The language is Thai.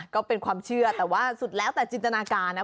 ก็เป็นความเชื่อแต่ว่าสุดแล้วแต่จินตนาการนะ